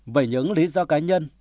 về những lý do cá nhân